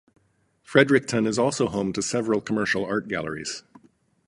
Fredericton is also home to several commercial art galleries.